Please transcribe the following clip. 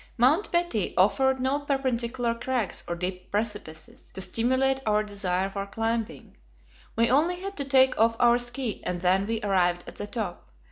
Mount Betty offered no perpendicular crags or deep precipices to stimulate our desire for climbing; we only had to take off our ski, and then we arrived at the top.